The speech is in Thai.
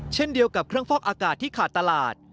เช่นเดียวกับเครื่องฟอกอากาศที่ขาดตลาด